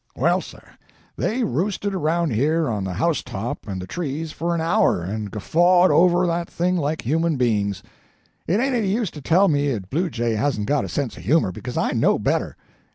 "Well, sir, they roosted around here on the housetop and the trees for an hour, and guffawed over that thing like human beings. It ain't any use to tell me a bluejay hasn't got a sense of humor, because I know better.